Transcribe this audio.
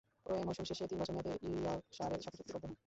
এ মৌসুম শেষে তিন বছর মেয়াদে ইয়র্কশায়ারের সাথে চুক্তিবদ্ধ হন।